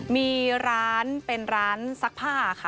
มีร้านเป็นร้านซักผ้าค่ะ